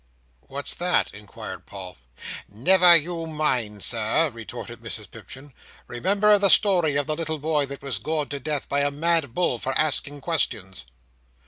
"What's that?" inquired Paul. "Never you mind, Sir," retorted Mrs Pipchin. "Remember the story of the little boy that was gored to death by a mad bull for asking questions."